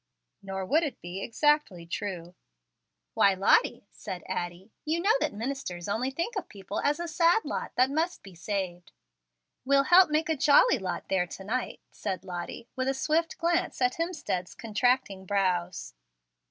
'" "Nor would it be exactly true." "Why, Lottie," said Addie, "you know that ministers only think of people as a sad lot that must be saved." "We'll help make a jolly lot there, to night," said Lottie, with a swift glance at Hemstead's contracting brows.